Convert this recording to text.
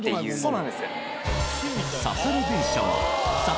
そうなんです。